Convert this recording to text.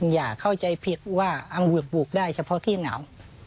อย่าเข้าใจผิดว่าอังเวือกปลูกได้เฉพาะที่หนาว